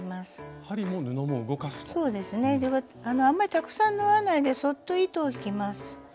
あんまりたくさん縫わないでそっと糸を引きます。